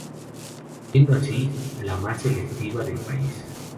Siendo así la más selectiva del país.